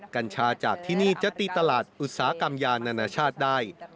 กัญชาจากที่นี่จะตีตลาดอุตสาหกรรมยานานาชาติได้